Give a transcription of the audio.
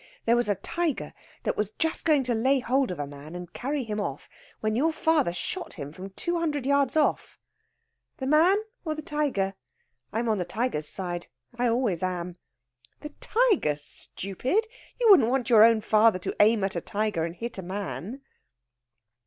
There was a tiger was just going to lay hold of a man and carry him off when your father shot him from two hundred yards off " "The man or the tiger? I'm on the tiger's side. I always am." "The tiger, stupid! You wouldn't want your own father to aim at a tiger and hit a man?"